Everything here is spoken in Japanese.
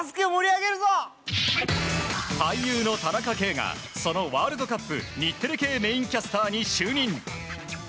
俳優の田中圭がそのワールドカップ日テレ系メインキャスターに就任。